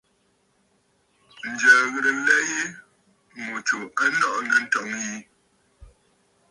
Ǹjə̀ə̀ ghɨ̀rə nlɛ yi ŋù tsù a nɔʼɔ̀ nɨ̂ ǹtɔ̀ŋə̂ yi.